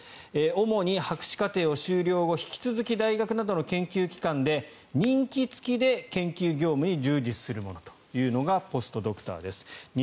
主に博士課程を修了後引き続き大学などの研究機関で任期付きで研究業務に従事する者というのがポストドクターです。